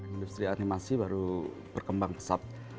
industri animasi baru berkembang pesat